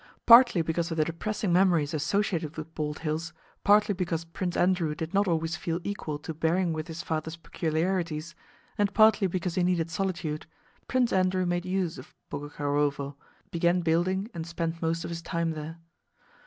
Partly because of the depressing memories associated with Bald Hills, partly because Prince Andrew did not always feel equal to bearing with his father's peculiarities, and partly because he needed solitude, Prince Andrew made use of Boguchárovo, began building and spent most of his time there.